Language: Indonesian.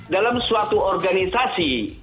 dalam suatu organisasi